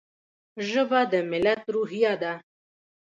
ژبه د ملت روحیه ده.